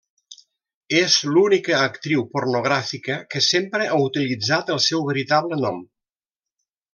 És l'única actriu pornogràfica que sempre ha utilitzat el seu veritable nom.